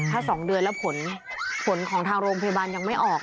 ถ้า๒เดือนแล้วผลของทางโรงพยาบาลยังไม่ออก